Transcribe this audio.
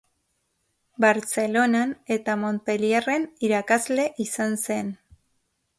Bartzelonan eta Montpellierren irakasle izan zen.